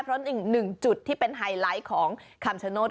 เพราะอีกหนึ่งจุดที่เป็นไฮไลท์ของคำชโนธ